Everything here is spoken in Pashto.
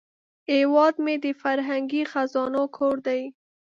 هیواد مې د فرهنګي خزانو کور دی